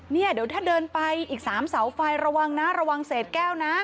เนี่ยเดี๋ยวถ้าเดินไปอีก๓เสาไฟระวังนะระวังเศษแก้วนะ